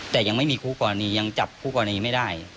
แต่ยังไม่มีคู่กรณียังจับคู่กรณีไม่ได้